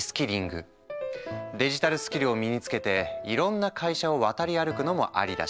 デジタルスキルを身につけていろんな会社を渡り歩くのもありだし